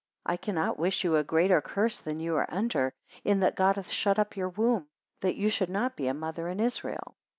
7 I cannot wish you a greater curse than you are under, in that God hath shut up your womb, that you should not be a mother in Israel.